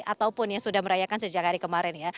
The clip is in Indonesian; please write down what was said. ataupun yang sudah merayakan sejak hari kemarin ya